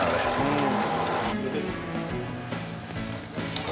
うん。